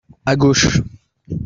À gauche.